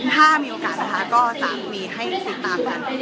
ถ้ามีโอกาสนะคะก็จะมีให้ติดตามกัน